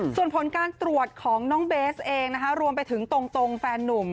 ส่วนผลการตรวจของน้องเบสเองนะคะรวมไปถึงตรงแฟนนุ่ม